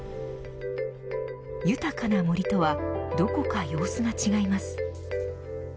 豊かな森とはどこか様子が違います。